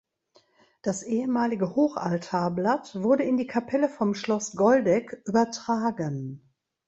Das ehemalige Hochaltarblatt wurde in die Kapelle vom Schloss Goldegg übertragen.